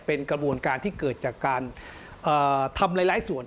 เป็นกระบวนการที่เกิดจากการทำหลายส่วน